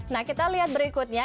nah kita lihat berikutnya